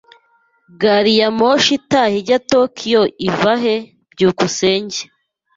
Gari ya moshi itaha ijya Tokiyo ivahe? byukusenge